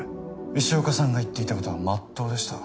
石岡さんが言っていたことはまっとうでした。